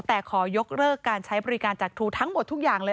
แต่ขอยกเลิกการใช้บริการจากครูทั้งหมดทุกอย่างเลย